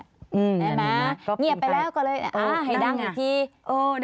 ใช่ไหมเหนียบไปแล้วก็เลยอ้าวให้ดังอีกทีนั่นไง